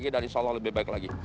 dari sholoh lebih baik lagi